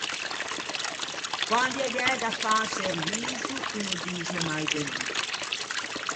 Quande gh’é da fâ un servixo, o no dixe mai de no.